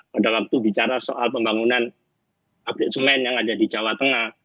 pada waktu bicara soal pembangunan pabrik semen yang ada di jawa tengah